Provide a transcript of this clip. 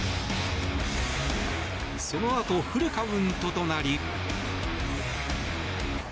そのあとフルカウントとなり。